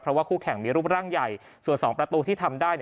เพราะว่าคู่แข่งมีรูปร่างใหญ่ส่วน๒ประตูที่ทำได้